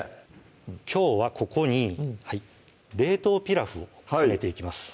きょうはここに冷凍ピラフを詰めていきます